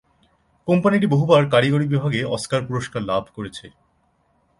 কোম্পানিটি বহুবার কারিগরি বিভাগে অস্কার পুরস্কার লাভ করেছে।